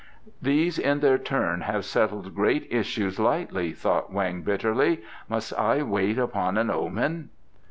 "These in their turn have settled great issues lightly," thought Weng bitterly. "Must I wait upon an omen?"